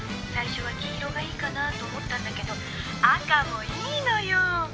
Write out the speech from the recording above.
最初は黄色がいいかなぁと思ったんだけど赤もいいのよ！